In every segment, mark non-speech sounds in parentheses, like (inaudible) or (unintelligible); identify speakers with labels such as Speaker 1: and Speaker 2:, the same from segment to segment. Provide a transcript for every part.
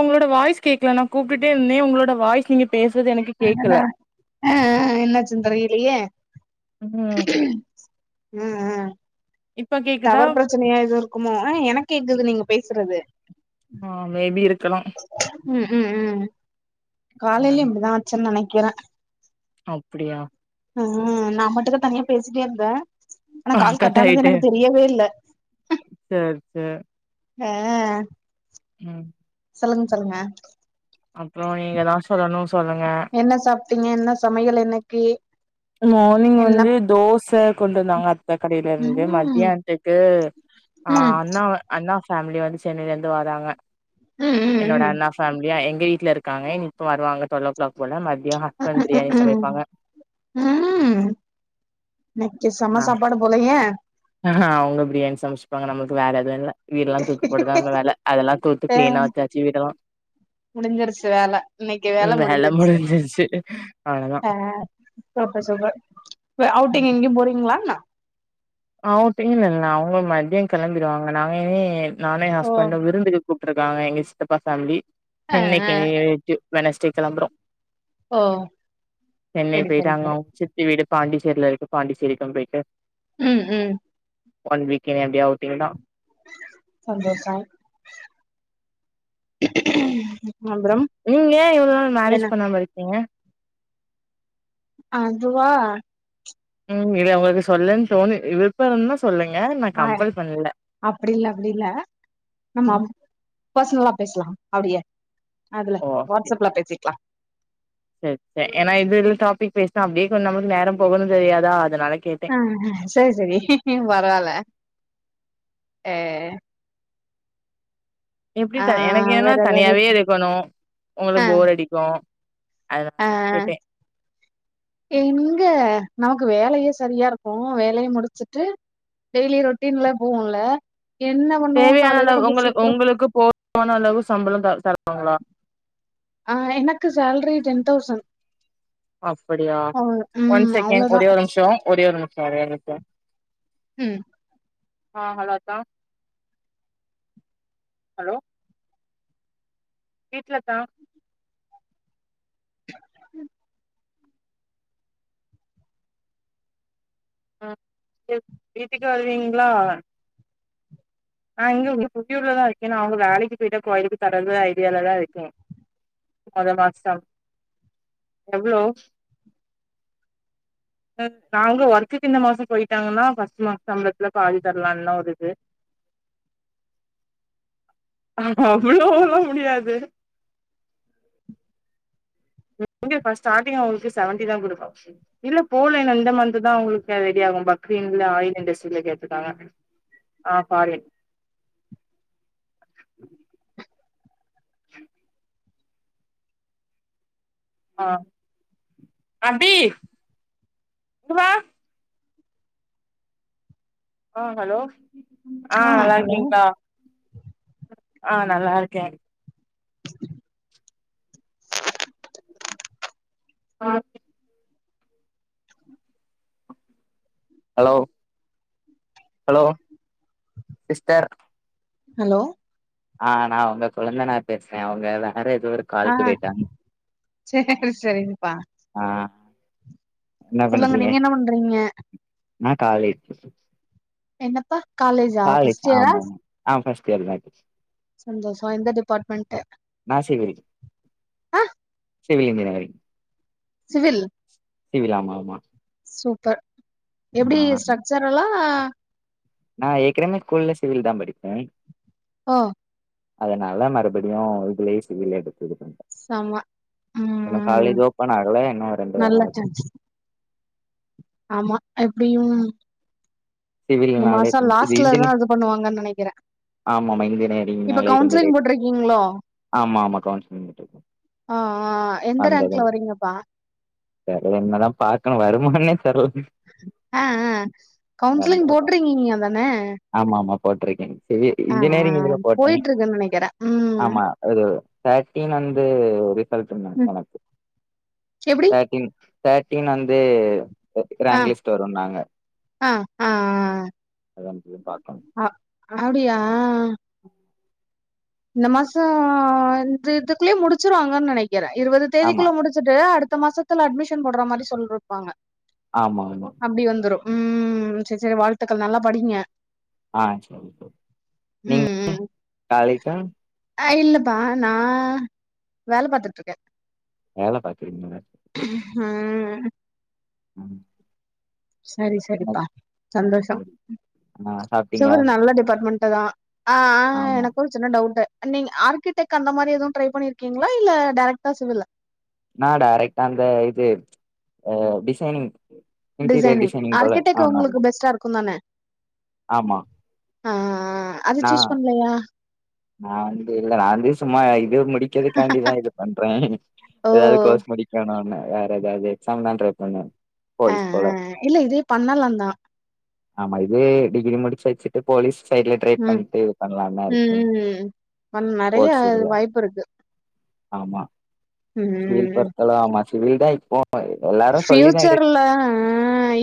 Speaker 1: உங்களோட வாய்ஸ் கேக்ல நா கூப்ட்டுட்டே இருந்தே உங்களோட வாய்ஸ் நீங்க பேசறது எனக்கு கேக்கல
Speaker 2: அடடா ஆ ஆ என்னாச்சின் தெரியலையே
Speaker 1: ம்
Speaker 2: ஆ ஆ
Speaker 1: இப்ப கேக்குதா
Speaker 2: டவர் பிரச்சனையா எதுவு இருக்குமோ ஆ எனக்கேக்குது நீங்க பேசுறது
Speaker 1: ஆ மே பி இருக்கலா
Speaker 2: ம் ம் ம் காலையிலையு
Speaker 1: ம்
Speaker 2: இப்புடிதா ஆச்சின்னு நெனைக்கிறே
Speaker 1: அப்புடியா
Speaker 2: ஆ நா பாட்டுக்கு தனியா பேசிட்டே இருந்தே ஆனா
Speaker 1: ஆ
Speaker 2: கால்
Speaker 1: கட்
Speaker 2: கட்டானது
Speaker 1: ஆயிட்டு
Speaker 2: எனக்கு தெரியவே இல்ல
Speaker 1: சேர் சேர்
Speaker 2: அ
Speaker 1: ம்
Speaker 2: சொல்லுங்க சொல்லுங்க
Speaker 1: அப்புறோ நீங்கதா சொல்லணு சொல்லுங்க
Speaker 2: என்ன சாப்ட்டீங்க என்ன சமையல் இன்னைக்கி
Speaker 1: மார்னிங் வந்து தோச கொண்டுவந்தாங்க அத்த கடையில இருந்து
Speaker 2: ம்
Speaker 1: மத்தியானத்துக்கு ஆ
Speaker 2: ம்
Speaker 1: அண்ணா அண்ணா ஃபேமிலி வந்து சென்னையில இருந்து வராங்க
Speaker 2: ம்
Speaker 1: என்னோட
Speaker 2: ம்
Speaker 1: அண்ணா பேம்லியா எங்க வீட்டுல இருக்கங்க இப்ப வருவங்க டுவல் ஓ கிளாக் போல மத்யோ எ ஹஸ்பண்ட் பிரியாணி
Speaker 2: ம்
Speaker 1: சமைப்பாங்க
Speaker 2: ம் இன்னிக்கி செம சாப்பாடு போலயே
Speaker 1: ஆஹ அவங்க பிரியாணி சமைச்சிப்பாங்க நமளுக்கு வேற எதுவு இல்ல வீடெல்லா தூத்து போடுதா அந்த வேல அதெல்லா தூத்து
Speaker 2: ஆ
Speaker 1: கிளீனா வெச்சாச்சு வீடல்லா
Speaker 2: முடிஞ்சிருச்சு வேல இன்னைக்கு வேல முடிஞ்சிருச்சு
Speaker 1: அவ்ளோதா.
Speaker 2: ஆ சூப்பர் சூப்பர் வ அவுட்டிங் எங்கயு போறீங்ளா என்ன
Speaker 1: ஆவுட்டிங்களா இல்ல அவங்களு மத்யோ கெளம்பிடுவாங்க நானே நானு எங்க
Speaker 2: ஓ
Speaker 1: ஹஸ்பண்ட்டு விருந்துக்கு கூப்ட்ருக்காங்க எங்க சித்தப்பா பேமிலி
Speaker 2: ஆ ஆ
Speaker 1: சென்னைக்கு (unintelligible) வென்னஸ்டே கெளம்பறோ
Speaker 2: ஓ
Speaker 1: சென்னை
Speaker 2: சரி
Speaker 1: போயிட்டு
Speaker 2: சரி
Speaker 1: அங்க
Speaker 2: சரி
Speaker 1: அவுங்க சித் தி வீடு பாண்டிசேரியில இருக்கு பாண்டி சேரிக்கு போயிட்டு
Speaker 2: ம் ம்
Speaker 1: ஒன் வீக்கு எப்டியா ஆவுட்டிங்குதா
Speaker 2: சந்தோஷம் அப்பறம்
Speaker 1: நீங்கயே இவ்ளோ நாள் மேரேஜ் பண்ணாம இருக்கீங்க
Speaker 2: அதுவா
Speaker 1: ம் இது உங்களுக்கு சொல்லன் தோனு விருப்போ இருந்தா சொல்லுங்க நா கம்பல் பண்ணல
Speaker 2: அப்டி இல்ல அப்டி இல்ல நம்ம
Speaker 1: ம்
Speaker 2: பர்சனலா பேசலா அப்டிகா அதுல வாட்ஸ்அப்ல பேசிக்லா
Speaker 1: சேரி சேரி ஏன்னா இதுல் டாபிக் பேசனா அப்டியே கொஞ் நமக் நேர போகணூ தெரியாதா அதுனாலக்
Speaker 2: ஆ ஹாங் சேரி சேரி பரவால்ல ஆ
Speaker 1: எப்டி
Speaker 2: ஆ
Speaker 1: த எனக்கு என்னன்னா
Speaker 2: வேற ஏதாவது
Speaker 1: தனியாவே இருக்கணூ
Speaker 2: ஆ
Speaker 1: உங்களுக்கு போர் அடிக்கூ அத்
Speaker 2: ஆ
Speaker 1: கேட்டே
Speaker 2: எங்க நமக்கு வேலையே சரியா இருக்கூ வேலயே முடிச்சுட்டு டெய்லி ரொட்டீன்ல போவ்வுன்ல என்னப
Speaker 1: தேவையான அளவு உங்களுக்கு உங்களுக்கு போர்ட் போன அந்த அளவு சம்பளம் தர் தர்வாங்லா
Speaker 2: ஆ எனக்கு சேலரி டென் தௌசண்ட்
Speaker 1: அப்டியா
Speaker 2: அவ்
Speaker 1: ஒன்
Speaker 2: ம்
Speaker 1: செகண்ட் ஒரே
Speaker 2: அவ்ளோதான்
Speaker 1: ஒரு நிமிஷோ ஒரே ஒரு நிமிஷோ ஒரே நிமிஷோ
Speaker 2: ம்
Speaker 1: ஆ ஹலோ அக்கா ஹலோ கேக்லக்கா
Speaker 2: ம்
Speaker 1: அ தீப் தீபிக்கா இல்லிங்ளா ஆ இங்க உங் குத்தியூர்லதா இருக்கே என்ன அவங்க வேலைக்கு போயிட்டா கோயிலுக்கு தர்ந்து ஐடியால தா இருக்காங்க அதூ லாஸ்ட்டா எவ்ளோ நாங்க ஒர்க்குக்கு இந்த மாசொ போயிட்டாங்கன்னா ஃபஸ்ட் மாச சம்பளத்துல வாங்கி தரலாம்னுலா ஒரு இது அவ்ளோலா முடியாது எப்டியூ ஃபர்ஸ்ட் ஸ்டார்டிங்ல அவங்களுக்கு செவன்டி தா கொடுப்பாங் இல்ல போலங் இந்த மந்து தா அவுங்களுக்கு ரெடி ஆகு பக்ரீன்ல ஆயில் இண்டஸ்ட்ரியில கேட்டுறுக்காங்க ஆ மாரி ஆ அபி இங்க வா ஆ ஹலோ ஆ நல்லா இருக்கீங்களா ஆ நல்லா இருக்கே ஆ ஹலோ ஹலோ சிஸ்டர்
Speaker 2: ஹலோ
Speaker 1: ஆ நா உங்க குழந்துனாரு பேசுறே அவங்கதா வேற எதே ஒரு
Speaker 2: ஆ
Speaker 1: காலுக்கு போய்ட்டாங்க
Speaker 2: சேரி சேரிங்கப்பா
Speaker 1: ஆ என்ன
Speaker 2: சொல்லுங்க
Speaker 1: பண்றிக
Speaker 2: நீங்க என்ன பண்றீங்க
Speaker 1: நா காலஜ்
Speaker 2: என்னப்பா காலேஜா
Speaker 1: காலேஜ்
Speaker 2: ஃபர்ஸ்ட் இயரா
Speaker 1: ஆமாமா ஆ பஸ்ட் இயர் தாங் சிஸ்
Speaker 2: சந்தோஷோ எந்த டிபார்ட்மெண்ட்
Speaker 1: நா சிவில்
Speaker 2: ஆ
Speaker 1: சிவில் இன்ஜினியரி
Speaker 2: சிவில்
Speaker 1: சிவில் ஆமாம்மா
Speaker 2: சூப்பர் எப்படி ஸ்ட்ரக்சர்ல்லா
Speaker 1: நா ஏக்குனவே கூல்ல சிவில் தா படிப்பேங்
Speaker 2: ஓ
Speaker 1: அதனால மறுபடியும் இதுலயே சிவில்லே எடுத்துட்டுவன்டே
Speaker 2: செம
Speaker 1: இன்னூ
Speaker 2: ம்
Speaker 1: காலேஜ் ஓப்பன் ஆகல இன்னூ ரெண்டு வாரோ
Speaker 2: நல்ல
Speaker 1: ஆகூ
Speaker 2: சான்ஸ் ஆமா எப்டியூ
Speaker 1: சிவில்னாலே இது இந்தெனிங்
Speaker 2: இது பண்ணுவாங்கன்னு நெனைக்கிறேன்
Speaker 1: ஆமா ஆமா இங்க இனு ரெண்டு
Speaker 2: இப்ப
Speaker 1: நாளைக்கு கொஞ்ச
Speaker 2: கவுன்சிலிங்
Speaker 1: லைட்டா
Speaker 2: போட்டிருக்கீங்களோ
Speaker 1: ஆமா ஆமா கவுன்சிலிங் வந்துட்டு
Speaker 2: ஆ ஆ எந்த ரேங்க்ல வரீங்கப்பா
Speaker 1: பெறவு இன்மேதா பாக்கணு வருமான்னே தெர்ல
Speaker 2: அ அ கவுன்சிலிங்
Speaker 1: வந்தா பாக்
Speaker 2: போட்டறீங்கீங்க தான
Speaker 1: ஆமா ஆமா போட்ருக்கே சிவி
Speaker 2: ஆ ஆ
Speaker 1: இன்ஜினியரிங் இதுல போட்டே
Speaker 2: போயிட்டு இருக்குன்னு நெனைக்கிறே ம்
Speaker 1: ஆமா அது தேர்ட்டீன் வந்து ஒரு (unintelligible)
Speaker 2: ம்
Speaker 1: எனக்கு
Speaker 2: எப்டி
Speaker 1: தேர்ட்டீன் தேர்ட்டீன் வந்து அ
Speaker 2: ஆ
Speaker 1: ரேங்க் லிஸ்ட் வருனாங்க
Speaker 2: ஆ ஆஆ
Speaker 1: அதான்
Speaker 2: அ அப்டியா
Speaker 1: உஹ (inaudible)
Speaker 2: இந்த மாசோ இந்த இதுக்குள்ளே முடிச்சிருவாங்கன் நெனைக்கிறே இருவது
Speaker 1: ஆமா
Speaker 2: தேதிக்குள்ள முடிச் சுட்டு அடுத்த மாசத்துல அட்மிஷன் போட்ற மாதிரி சொல்ருப்பாங்க
Speaker 1: ஆமா ஆமா
Speaker 2: அப்டி வந்துரு ம் சரி சரி வாழ்த்துக்கள் நல்லா படிங்க
Speaker 1: அ நீங்க காலேஜா
Speaker 2: அ இல்லப்பா நா வேல பாத்துட்டு இருக்கே
Speaker 1: வேல பாக்குறீங்களா
Speaker 2: ம்
Speaker 1: ம்
Speaker 2: சரி சரிப்பா சந்தோஷோ
Speaker 1: ஆ சாப்ட்டீங்களா
Speaker 2: சுவரு நல்ல டிபார்ட்மெண்ட் தா அ அ
Speaker 1: ஆமா
Speaker 2: எனக்கு ஒரு சின்ன டவுட்டு நீங்க ஆர்கிடெக் அந்த மாரி எது ட்ரை பண்ணிருக்கீங்ளா இல்ல டேரக்டா சிவிலா
Speaker 1: நா டேரெக்டா அந்த இது அ டிசைனிங் இன்டீரியர் டிசைனிங்பால ஆமா ஆமா
Speaker 2: பெஸ்டா இருக்குந்தான
Speaker 1: ஆமா
Speaker 2: ஆ அது
Speaker 1: நா
Speaker 2: சூஸ் பண்லயா
Speaker 1: நா வந்து இல்ல நா வந்து சும்மா இது முடிக்கது காண்டிதா இது பண்றே
Speaker 2: ஓ
Speaker 1: ஏதாவ்து கோர்ஸ் முடிக்கணுனு வேற ஏதாது எக்ஸாம் தா ட்ரை பண்ணுவே
Speaker 2: அ அ இல்ல இதுவே பண்ணாலாந்தா
Speaker 1: ஆமா இதே டிகிரி முடிச்சு வச்சிட்டு போலீஸ் சைட்ல ட்ரை
Speaker 2: ம்
Speaker 1: பண்டு பண்ணலாந்தா
Speaker 2: ம்
Speaker 1: இருக்கே
Speaker 2: ம் ம் பண் நெறைய
Speaker 1: போட்ஸ் இதுல
Speaker 2: வாய்ப்பு இருக்கு
Speaker 1: ஆமா சிவில்
Speaker 2: ம்
Speaker 1: பொறுத்தளவு ஆமா சிவில்தா இப்போ ப எல்லாரு சொல்லிதா எடுக்
Speaker 2: ஃபியூச்சர்ல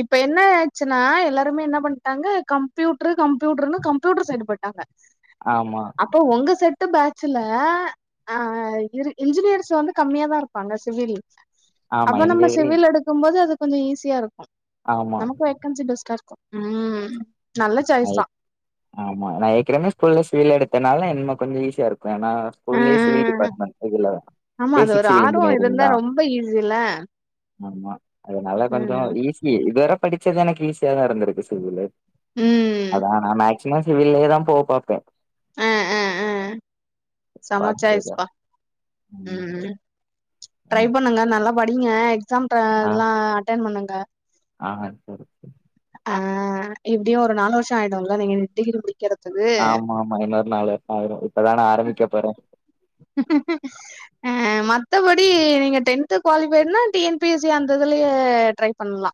Speaker 2: இப்ப என்ன ஆயாச்சுன்னா எல்லாருமே என்ன பண்ட்டாங்க கம்ப்யூட்ரு கம்ப்யூட்ருனு கம்ப்யூட்டர் சைடு போயிட்டாங்க
Speaker 1: ஆமா
Speaker 2: டு உங்க செட்டு பேட்சுல ஆ இரு இன்ஜினியர்ஸ் வந்து கம்மியா தா இருப்பாங்க சிவில்
Speaker 1: ஆமா
Speaker 2: அப்ப
Speaker 1: எங்க
Speaker 2: நம்ம
Speaker 1: இதுலயு
Speaker 2: சிவில் எடுக்கும் போது அது கொஞ்சோ ஈஸியா இருக்கு
Speaker 1: ஆமா
Speaker 2: நமக்கு வேக்கன்சி பெஸ்ட்டா இருக்கு ம் நல்ல
Speaker 1: நான்
Speaker 2: சாய்ஸ் தா
Speaker 1: ஏ- ஆமா நா ஏக்கனவே ஸ்கூல்ல சிவில் எடுத்தனால இன்ம கொஞ்சோ ஈஸியா இருக்கு ஏனா
Speaker 2: ஆ
Speaker 1: ஸ்கூல்லயே சிவில் டிபார்ட்மென்ட் இதுல
Speaker 2: ஆமா அது ஒரு
Speaker 1: பேசிக்ஸ்லி
Speaker 2: ஆர்வோ
Speaker 1: இன்ஜினியரிங்
Speaker 2: இருந்தா
Speaker 1: தா
Speaker 2: ரொம்ப ஈஸில
Speaker 1: ஆமா அதுனால கொஞ்சோ
Speaker 2: ம்
Speaker 1: ஈஸி இது வேற படிச்சது எனக்கு ஈஸியா தா இருந்திருக்கு சிவிலு
Speaker 2: ம்
Speaker 1: அதா நா மேக்சிமம் சிவில்லயே தா போ பாப்பே
Speaker 2: அ அ அ
Speaker 1: பாத்தது
Speaker 2: சமச்சாச்சிப்பா ம் ட்ரை பண்ணுங்க நல்லா படிங்க எக்ஸாம் ட
Speaker 1: ஆ
Speaker 2: இதெலா அட்டன் பண்ணுங்க
Speaker 1: ஆ சரி
Speaker 2: ஆ எப்டியு ஒரு நாலு வருஷ ஆயிடுல்ல நீங்க டிகிரி முடி க்கறதுக்கு
Speaker 1: ஆமாமா இன்னொரு நாலு வருஷோ ஆயிரு இப்பதான ஆரம்பிக்க போறே
Speaker 2: ஆ மத்த படி நீங்க டென்த்து குவாலிஃபைட்னா T N P S C அந்த இதுலேயே ட்ரை பண்லா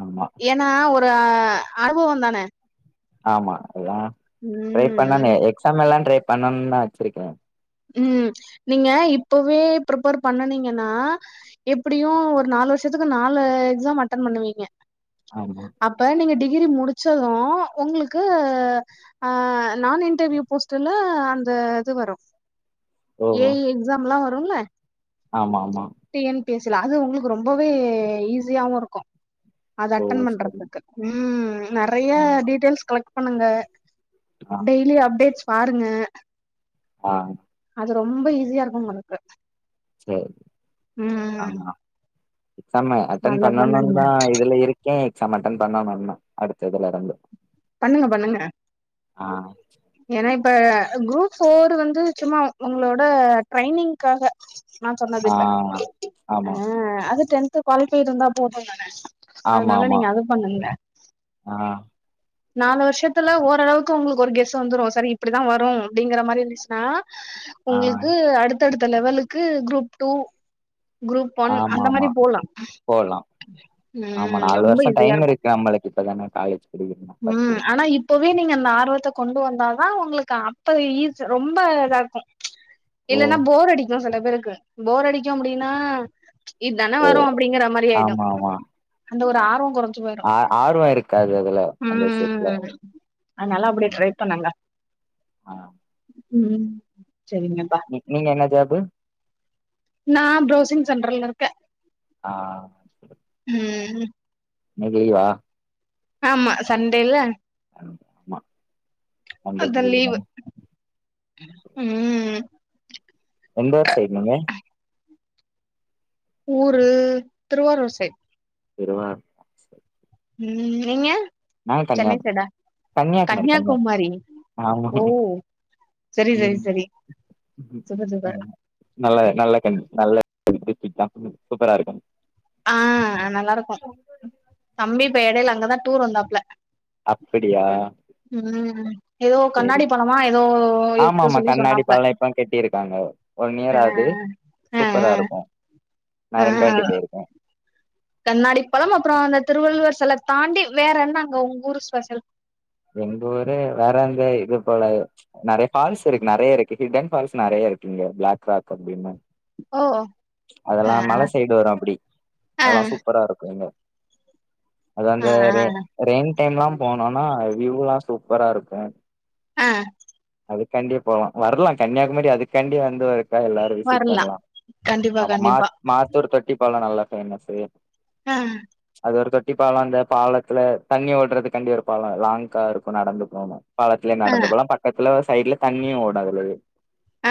Speaker 1: ஆமா
Speaker 2: ஏன்னா ஒரு அ அனுபவ தானே
Speaker 1: ஆமா அதா
Speaker 2: ம்
Speaker 1: ட்ரை பண்ணனு எக்ஸாம் எல்லா ட்ரை பண்ணுன் தா வச்சிருக்கே
Speaker 2: ம் நீங்க இப்பவே பிரிபேர் பண்ணணீங்கன்னா எப்டியு ஒரு நாலு வருஷத்துக்கு நாலு எக்ஸாம் அட்டன் பண்ணுவீங்க
Speaker 1: ஆமா
Speaker 2: அப்ப நீங்க டிகிரி முடிச்சது உங்ளுக்கு அ நான் இன்டர்வியூ போஸ்ட்ல்ல அந்த இது வரு ஏ இ எக்ஸாம்ல்லா வருல்ல
Speaker 1: ஆமாமா
Speaker 2: T N P S C ல அது உங்ளுக்கு ரொம்பவே ஈஸியாவுருக்கு அது
Speaker 1: ஓ
Speaker 2: அட்டன்
Speaker 1: சரி
Speaker 2: பண்றதுக்கு ம் நெறைய
Speaker 1: ஆ
Speaker 2: டீட்டெய்ல்ஸ் கலெக்ட் பண்ணுங்க
Speaker 1: ஆ
Speaker 2: டெய்லி அப்டேட்ஸ் பாருங்க
Speaker 1: ஆ
Speaker 2: அது ரொம்ப ஈஸியா இருக்கு உங்களுக்கு
Speaker 1: சேரி
Speaker 2: ம்
Speaker 1: ஆமா எக்ஸாம் அட்டென்
Speaker 2: நல்லா
Speaker 1: பண்ணனுன்
Speaker 2: பண்ணுங்க
Speaker 1: தா இதுல இரு க்கே எக்ஸாம் அட்டன் பண்ணனுன் அடுத்ததுல இருந்து
Speaker 2: பண்ணுங்க பண்ணுங்க
Speaker 1: ஆ
Speaker 2: ஏன்னா இப்ப குரூப் ஃபோர் வந்து சும்மா உங்களோட ட்ரைனிங்க்காக நா சொன்னது
Speaker 1: ஆ
Speaker 2: இப்ப ஆ
Speaker 1: ஆமா
Speaker 2: அது டென்த் குவாலிஃபைடு இருந்தா போது தான
Speaker 1: ஆமாமா ஆ
Speaker 2: நாலு வருஷத்துல ஓரளவுக்கு உங்களுக்கு ஒரு கெஸ் வந்துரு சரி இப்படிதா வரு அப்டிங்கிற மாரி இருந்துச்னா
Speaker 1: ஆ
Speaker 2: உங்களுக்கு அடுத்தடுத்த லெவலுக்கு குரூப் டூ குரூப் ஒன்
Speaker 1: ஆமா
Speaker 2: அந்த
Speaker 1: ஆமா
Speaker 2: மாரி போலா
Speaker 1: போலா
Speaker 2: ம் ரொம்ப ஈஸியா இருக்கு
Speaker 1: இப்ப தான காலேஜ் படிக்கணும்னா ஃபர்ஸ்ட்
Speaker 2: ம்
Speaker 1: இயர்
Speaker 2: ஆனா இ ப்பவே நீங்க அந்த ஆர்வத்த கொண்டு வந்தாதா உங்களுக்கு அப்ப ஈஸ் ரொம்ப இதா இருக்கு இல்லன்னா
Speaker 1: ஓ
Speaker 2: போர் அடிக்கு சில பேருக்கு போர் அடிக்கு அப்டின்னா இதான வரு அப்டிங்கற மாரி ஆயிடு
Speaker 1: ஆமா
Speaker 2: அந்த ஒரு ஆர்வ கொறஞ்சு போய்
Speaker 1: அ ஆர்வ இருக்காது அதுல அந்த விஷயத்துல
Speaker 2: ம் அதுனாலஅப்படியே ட்ரை பண்ணுங்க
Speaker 1: ஆ
Speaker 2: ம் செரிங்கப்பா
Speaker 1: நீங்க என்ன ஜாப்பு
Speaker 2: நா ப்ரோசிங் சென்டர்லர்க்க
Speaker 1: ஆ
Speaker 2: ம்
Speaker 1: என்ன கேக்குதா
Speaker 2: ஆமா சண்டேல்ல
Speaker 1: ஆமா உங்களுக்கு
Speaker 2: அதா லீவு
Speaker 1: தான
Speaker 2: உம்
Speaker 1: எந்தூர் சைபமே
Speaker 2: ஊரு திருவாரூர் சைட்
Speaker 1: திருவா
Speaker 2: ம் நீங்க
Speaker 1: நா
Speaker 2: சென்னை
Speaker 1: கன்னியாகு
Speaker 2: சைடா
Speaker 1: கன்னியாகுமரி கன்னியாகுமரி
Speaker 2: கன்யாகுமாரி ஓ
Speaker 1: கன்னியாகுமரி. ஆமா
Speaker 2: சரி சரி
Speaker 1: ம்
Speaker 2: சரி சுப்பர் சுப்பர்
Speaker 1: அதான். நல்ல நல்ல கண் நல்ல (unintelligible) சூப்பராருக்கு
Speaker 2: ஆ நல்லாருக்கு தம்பி இப்ப எடையில அங்கதா டூர் வந்தாப்ல
Speaker 1: அப்படியா
Speaker 2: உம் ஏதோ
Speaker 1: சேரி
Speaker 2: கண்ணாடி பலமா ஏதோ
Speaker 1: ஆமா
Speaker 2: இருக்கு
Speaker 1: ஆமா
Speaker 2: சொல்லி
Speaker 1: கண்ணாடி
Speaker 2: சொன்னாப்ல
Speaker 1: பாலம் இப்ப கெட்டிருக்காங்க ஒன்
Speaker 2: ஆ
Speaker 1: இயர் ஆகுது
Speaker 2: ஆ
Speaker 1: சூப்பர ருக்கு நா
Speaker 2: ஆ ஆ
Speaker 1: ரெண்டு வாட்டி போயிருக்கே
Speaker 2: கண்ணாடி பழம் அப்றொ அந்த திருவள்ளுவர் செல தாண்டி வேற என்னாங்க உங்கூர் ஸ்பெஷல்
Speaker 1: எங்க ஊரு வேறந்தா இது போல நெறைய ஃபால்ஸ் இருக்கு நெறைய இருக்கு ஹிட் அண்ட் ஃபால்ஸ் நெறையருக்கிங்க பிளாக் ராக் அப்டின்னு
Speaker 2: ஓ
Speaker 1: அதெல்லா
Speaker 2: ஆ
Speaker 1: மல சைட் வரு அப்டி
Speaker 2: ஆ
Speaker 1: அதெல்லா சூப்பரா இருக்கு இங்க அது
Speaker 2: ஆ ஆ
Speaker 1: அந்த ரெ ரெயின் டைம்லா போனொனா வியூலா சூப்பரா இருக்கு
Speaker 2: ஆ
Speaker 1: அதுக்காண்டியே போலா வர்லா கன்னியாகுமரி அதுக்காண்டியே வந்து க்க எல்லாரு விசிட்
Speaker 2: வரலா
Speaker 1: பண்ணலா
Speaker 2: கண்டிப்பா
Speaker 1: ஆமா மா
Speaker 2: கண்டிப்பா
Speaker 1: மாத்தூர் தொட்டி பால நல்லா ஃபேமஸ்ஸு
Speaker 2: ஆ
Speaker 1: அது ஒரு தொட்டி பாலோ அந்த பாலத்துல தண்ணி ஓடுறதுக்காண்டி ஒரு பாலோ லாங்குகார் இருக்கு நடந்து போகணு பாலத்துல
Speaker 2: ஆ
Speaker 1: நடந்து போலா பக்கத்துல சைடுல தண்ணியும் ஓடு அதுலயே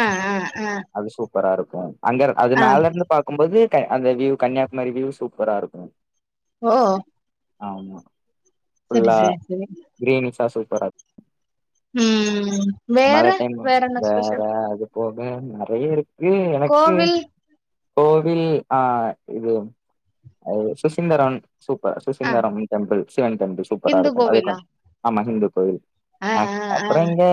Speaker 2: ஆ ஆ ஆ
Speaker 1: அது சூப் சூப்பரா இருக்கு அங்க அது
Speaker 2: ஆ
Speaker 1: மேல ர்ந்து பாக்கும்போது அந்த வியூ கன்னியாகுமரி வியூ சூப்பரார்க்கு
Speaker 2: ஓ
Speaker 1: ஆமா
Speaker 2: சரி
Speaker 1: புல்லா
Speaker 2: சரி சரி
Speaker 1: கிரீன்சா சூப்பரா
Speaker 2: உம் வேற வேறென்ன ஸ்பெஷல்
Speaker 1: ஓகே நெறைய ர்க்கு எனக்கு
Speaker 2: கோவில்
Speaker 1: கோவில் ஆ இது சுசிந்தரன் சூப்பர்
Speaker 2: ஆ
Speaker 1: சுசீந்தரம் டெம்பிள் சிவன் டெம்பிள் சூப்பரா
Speaker 2: இந்து
Speaker 1: இருக்கும் அது
Speaker 2: கோவிலா
Speaker 1: ஆமா இந்து கோயில்
Speaker 2: ஆ
Speaker 1: அ
Speaker 2: ஆ ஆ
Speaker 1: அப்பற இந்த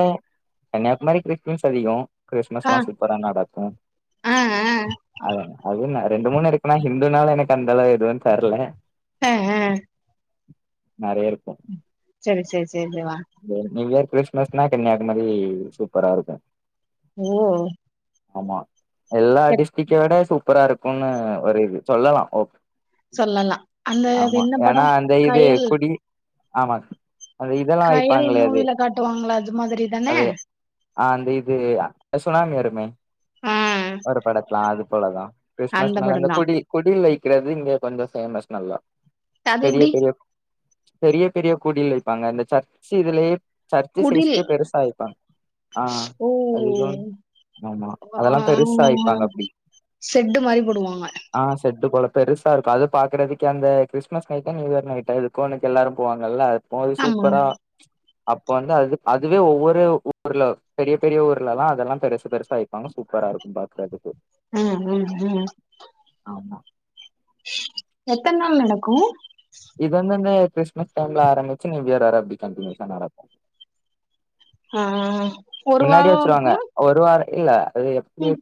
Speaker 1: என்ன கன்னியாகுமாரி கிறிஸ்மஸ் அதிகொ கிறிஸ்மஸ்
Speaker 2: ஆ
Speaker 1: எல்லா சூப்பரா நடக்கு
Speaker 2: ஆ ஆ
Speaker 1: அது அதுவு ன்னா ரெண்டு மூணு இருக்குன்னா ஹிந்துனாலு எனக்கு அந்த அளவு எதுவு தெர்ல
Speaker 2: ஆ ஆ
Speaker 1: நெறையர்க்கு
Speaker 2: சரி சரி சரி தேவா
Speaker 1: நியூ இயர் கிறிஸ்மஸ்னா கன்னியாகுமரி சூப்பரா இருக்கு
Speaker 2: ஓ
Speaker 1: ஆமா எல்லா
Speaker 2: எப்
Speaker 1: டிஸ்டிக்க விட சூப்பரார்க்குன்னு ஒரு இது சொல்லலா ஓக்
Speaker 2: சொல்லலா அந்த அது
Speaker 1: ஆமா
Speaker 2: என்ன படோ
Speaker 1: ஏன்னா அந்த இது
Speaker 2: கயல்
Speaker 1: குடி ஆமா அந்த இதெல்லா
Speaker 2: கயல்
Speaker 1: வைப்பாங்களே அது
Speaker 2: மூவில காட்டுவாங்களா அது மாரி தான
Speaker 1: அது ஆ அந்த இது சுனாமி வருமே
Speaker 2: ஆ
Speaker 1: ஒரு படத்துல அது போலதா பிஸ்மஸ் மேல அந்த குடி குடில் வைக்கிறது இங்க கொஞ்சோ ஃபேமஸ் நல்லா
Speaker 2: அது
Speaker 1: பெரிய
Speaker 2: எப்டி
Speaker 1: பெரிய பெரிய பெரிய குடில் வைப்பாங்க இந்த சர்ச்சு இதுலயே சர்ச்சு
Speaker 2: குடில்
Speaker 1: சையிஸ்க்கே பெருசா வைப்பாங்க ஆ
Speaker 2: ஓ
Speaker 1: அது இதுன் ஆமா அதெல்லா
Speaker 2: ஆ
Speaker 1: பெருசா வைப்பாங்க அப்படி
Speaker 2: செட்டு மாரி போடுவாங்க
Speaker 1: ஆ செட்டு போல பெருசா இருக்கு அது பாக்குறதுக்கு அந்த கிறிஸ்மஸ் நைட்டா நியூ இயர் நைட்டா எதுக்கோ ஒன்னுக்கு எல்லாரும் போவாங்கல்ல பாதி
Speaker 2: ஆமா
Speaker 1: சூப்பரா அப்ப வந்து அது அதுவே ஒவ்வொரு ஊர்ல பெரிய பெரிய ஊர்லலா அதெல்லா பெருசா பெருசா வை வைப்பாங்க சூப்பரா இருக்கும் பாக்குறதுக்கு
Speaker 2: ம் ம் ம்
Speaker 1: ஆமா
Speaker 2: எத்தன நாள் நடக்கும்
Speaker 1: இது வந்து இந்த கிறிஸ்மஸ் டைம்ல ஆரம்பிச்சு நியூ இயர் வர அப்படி கண்டினியூஸா நடக்கு
Speaker 2: ஆ ஒரு
Speaker 1: முன்னாடியே
Speaker 2: வாரோ
Speaker 1: வச்சிருவாங்க ஒரு வாரம் இல்ல அது
Speaker 2: ம்
Speaker 1: வைப்பாங்க